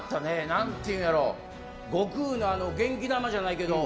何て言うんやろ悟空の元気玉じゃないけど。